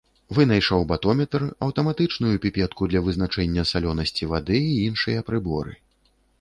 Вынайшаў батометр, аўтаматычную піпетку для вызначэння салёнасці вады і іншыя прыборы.